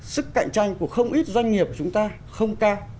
sức cạnh tranh của không ít doanh nghiệp của chúng ta không ca